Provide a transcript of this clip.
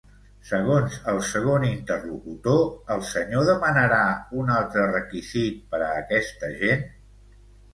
Segons el segon interlocutor, el senyor demanarà un altre requisit per a aquesta gent?